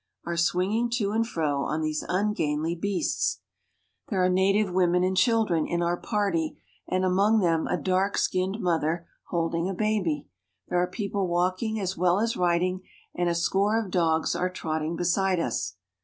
66 are swinging to and fro on these ungainly beasts. There are native women and children in our party, and among them a dark skinned mother holding a baby. There are people walking as well as riding, and a score of dogs are trotting beside us.